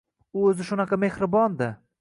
U o`zi shunaqa mehribon-da